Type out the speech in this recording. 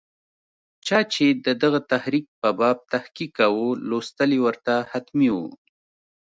چا چې د دغه تحریک په باب تحقیق کاوه، لوستل یې ورته حتمي وو.